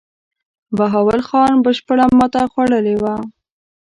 بهاول خان بشپړه ماته خوړلې وه.